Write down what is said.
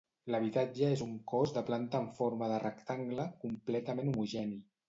L'habitatge és un cos de planta en forma de rectangle, completament homogeni.